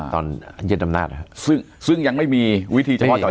ตอนเย็นดำนาจครับซึ่งซึ่งยังไม่มีวิธี